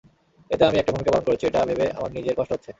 এতে আমি একটা ভূমিকা পালন করেছি এটা ভেবে আমার নিজের কষ্ট হচ্ছে।